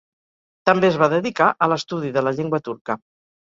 També es va dedicar a l'estudi de la llengua turca.